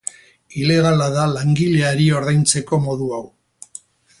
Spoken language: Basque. Ilegala da langileari ordaintzeko modu hau.